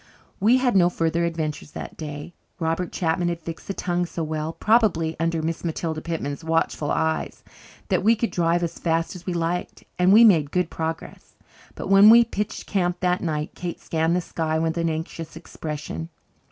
We had no further adventures that day. Robert Chapman had fixed the tongue so well probably under Mrs. Matilda Pitman's watchful eyes that we could drive as fast as we liked; and we made good progress. But when we pitched camp that night Kate scanned the sky with an anxious expression.